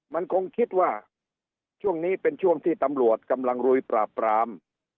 มันคงคิดว่าช่วงนี้เป็นช่วงที่ตำรวจกำลังลุยปราบปราม